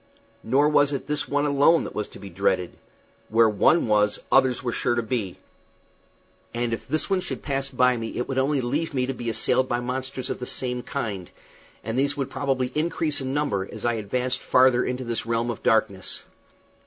Nor was it this one alone that was to be dreaded. Where one was, others were sure to be; and if this one should pass me by it would only leave me to be assailed by monsters of the same kind, and these would probably increase in number as I advanced farther into this realm of darkness.